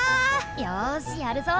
よしやるぞ！